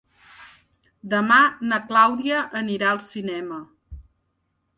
Demà na Clàudia anirà al cinema.